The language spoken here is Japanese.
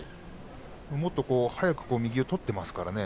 もっと霧馬山は早く右を取っていますからね。